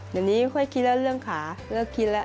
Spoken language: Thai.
เดี๋ยวนี้ค่อยคิดแล้วเรื่องขาเลิกคิดแล้ว